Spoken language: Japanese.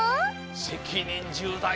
せきにんじゅうだい！